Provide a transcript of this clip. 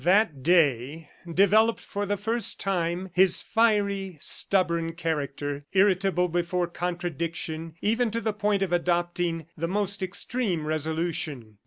That day developed for the first time, his fiery, stubborn character, irritable before contradiction, even to the point of adopting the most extreme resolution.